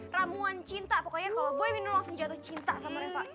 ramuan cinta pokoknya kalo gue minum langsung jatuh cinta sama reva